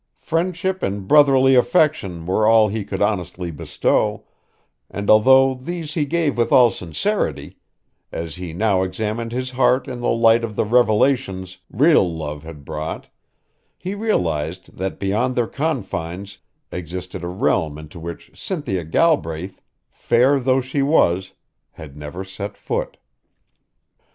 Friendship and brotherly affection were all he could honestly bestow, and although these he gave with all sincerity, as he now examined his heart in the light of the revelations real love had brought, he realized that beyond their confines existed a realm into which Cynthia Galbraith, fair though she was, had never set foot.